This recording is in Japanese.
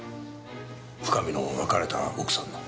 深見の別れた奥さんの。